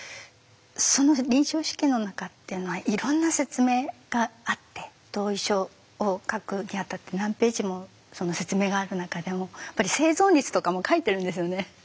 その臨床試験の中っていうのはいろんな説明があって同意書を書くにあたって何ページも説明がある中でやっぱり生存率とかも書いてるんですよね。